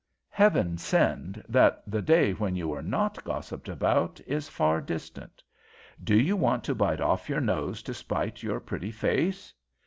Heaven send that the day when you are not gossiped about is far distant! Do you want to bite off your nose to spite your pretty face?